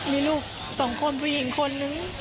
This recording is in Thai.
มีลูกสองคนผู้หญิงคนนึง